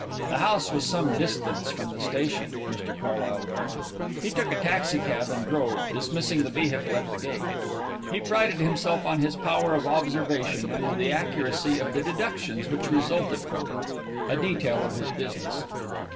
The house was some distance from the station, Mr Carlyle learned. He took a taxicab and drove, dismissing the vehicle at the gate. He prided himself on his power of observation and the accuracy of the deductions which resulted from it a detail of his business.